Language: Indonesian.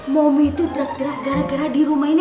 momi itu gerak gerak gara gara di rumah ini